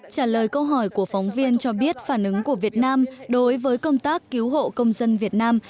trả lời câu hỏi của phóng viên cho biết phản ứng của việt nam đối với công tác cứu hộ công dân việt nam